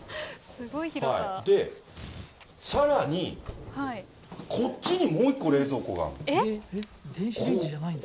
そしてさらに、こっちにもう１個冷蔵庫があるんです。